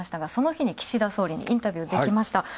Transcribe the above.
その日に岸田総理にインタビューできました。